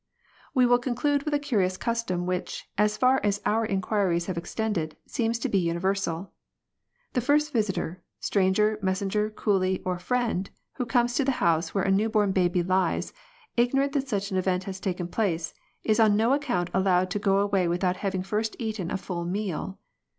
We will conclude with a curious custom which, as far as our inquiries have extended, seems to be uni versal. The first visitor, stranger, messenger, coolie, or friend, who comes to the house where a new born baby lies, ignorant that such an event has taken place, is on no account allowed to go away without having first eaten a full meal.